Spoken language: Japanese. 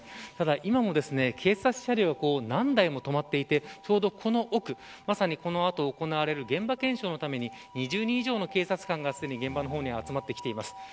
今も警察車両何台も止まっていてちょうど、この奥この後、行われる現場検証のために２０人以上の警察官が現場に集まってきています。